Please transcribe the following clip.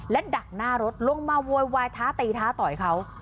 และดักหน้ารถลงมาโวยวายท้าตีท้าต่อยเขา